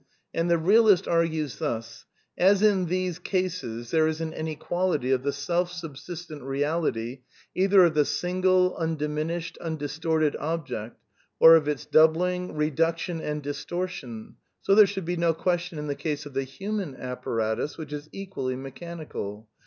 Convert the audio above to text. And the realist argues thus: As in these cases there f isn't any question of the self subsistent reality either of/ the single, undiminished, undistorted object, or of its doubling, reduction and distortion, so there should be no question in the case of the human apparatus which is equally mechanical.